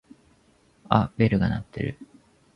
あっベルが鳴ってる。